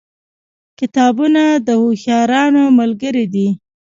کتابونه د هوښیارانو ملګري دي.